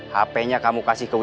hpnya kamu kasih ke dia